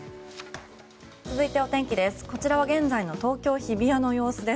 続いてお天気です。